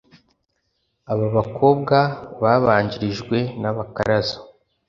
Aba bakobwa babanjirijwe n’abakaraza